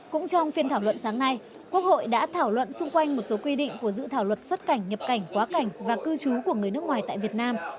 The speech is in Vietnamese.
cũng trong phiên thảo luận sáng nay quốc hội đã thảo luận xung quanh một số quy định của dự thảo luật xuất cảnh nhập cảnh quá cảnh và cư trú của người nước ngoài tại việt nam